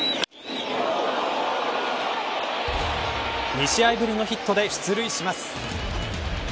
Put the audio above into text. ２試合ぶりのヒットで出塁します。